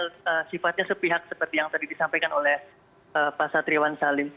kalau kemudian evaluasinya sifatnya sepihak seperti yang tadi disampaikan oleh pak satriwan salim